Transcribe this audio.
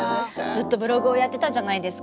ずっとブログをやってたじゃないですか。